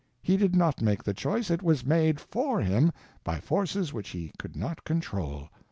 He did not make the choice, it was made _for _him by forces which he could not control.